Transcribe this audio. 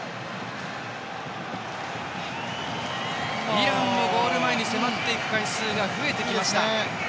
イランもゴール前に迫っていく回数が増えてきました。